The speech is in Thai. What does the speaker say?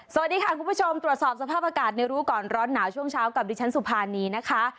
สวัสดีค่ะคุณผู้ชมตรวจสอบสภาพอากาศในรู้ก่อนร้อนหนาวช่วงเช้ากับดิฉันสุภานีนะคะ